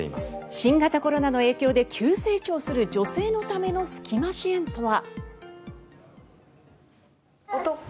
新型コロナウイルスの影響で急成長する女性のための隙間支援とは。